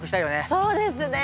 そうですね。